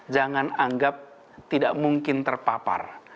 jangan anggap tidak mungkin terpapar